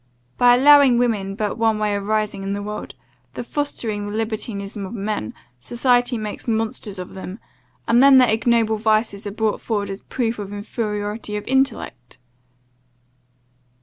By allowing women but one way of rising in the world, the fostering the libertinism of men, society makes monsters of them, and then their ignoble vices are brought forward as a proof of inferiority of intellect.